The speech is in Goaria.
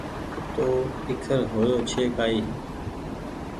تو ايکر هيو ڇي ڪآئي